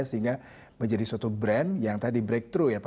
sehingga menjadi suatu brand yang tadi breakthrough